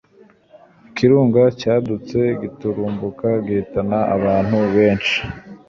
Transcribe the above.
Ikirunga cyadutse giturumbuka gihitana abantu benshi